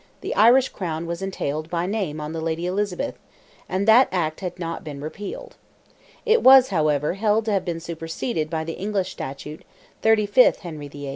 the Irish crown was entailed by name on the Lady Elizabeth, and that act had not been repealed. It was, however, held to have been superseded by the English Statute, 35. Hen. VIII.